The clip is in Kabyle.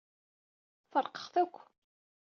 Feṛqeɣ-t akk.